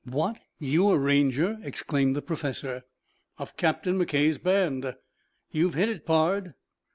"What, you a Ranger?" exclaimed the professor. "Of Captain McKay's band?" "You've hit it, pard."